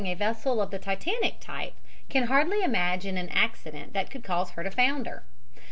} a vessel of the Titanic type can hardly imagine an accident that could cause her to founder.